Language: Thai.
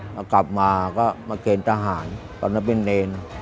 พอกลับมาก็มาเกณฑ์ทหารตอนนั้นเป็นเนร